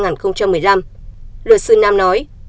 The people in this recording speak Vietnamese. luật sư nam nói